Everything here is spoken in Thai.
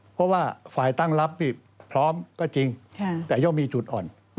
เพราะว่าฝ่ายตั้งรับนี่พร้อมก็จริงแต่ย่อมมีจุดอ่อน